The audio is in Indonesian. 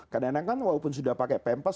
kadang kadang kan walaupun sudah pakai pempas